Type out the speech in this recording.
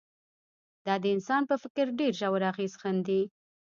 دا د انسان په فکر ډېر ژور اغېز ښندي